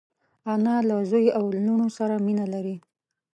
انا له زوی او لوڼو سره مینه لري